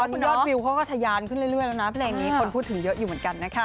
คุณยอดวิวเขาก็ทะยานขึ้นเรื่อยแล้วนะเพลงนี้คนพูดถึงเยอะอยู่เหมือนกันนะคะ